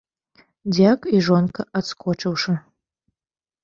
Дзяк і жонка адскочыўшы.